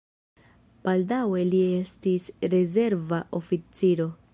Baldaŭe li estis rezerva oficiro.